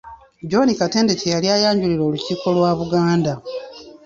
John Katende kye yali ayanjulira olukiiko lwa Buganda.